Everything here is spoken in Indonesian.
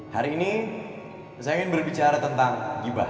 hari ini saya ingin berbicara tentang gibah